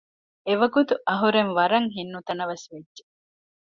އެވަގުތު އަހުރެން ވަރަށް ހިތް ނުތަނަވަސް ވެއްޖެ